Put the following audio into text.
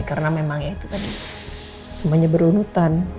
karena memang ya itu kan semuanya berlunutan